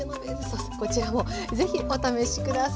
こちらも是非お試し下さい。